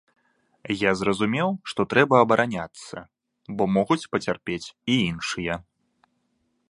Я разумеў, што трэба абараняцца, бо могуць пацярпець і іншыя.